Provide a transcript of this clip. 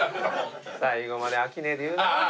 最後まで飽きねえで言うな。